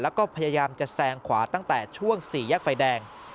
แล้วก็พยายามจะแซงขวาตั้งแต่ช่วงสี่แยกไฟแดง